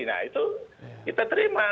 nah itu kita terima